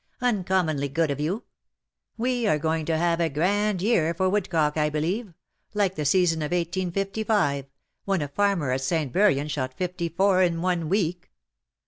^' Uncommonly good of you. "We are going to have a grand year for woodcock, I believe — like the season of 1855, when a farmer at St. Buryan shot fifty four in one week."'''